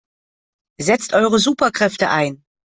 Setzt eure Superkräfte ein!